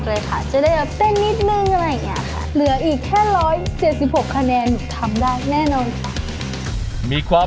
ถ้าพร้อมแล้วขอเชิญพบกับคุณลูกบาท